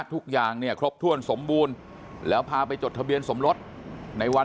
ทุกอย่างเนี่ยครบถ้วนสมบูรณ์แล้วพาไปจดทะเบียนสมรสในวัน